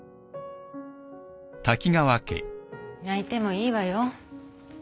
泣いてもいいわよ。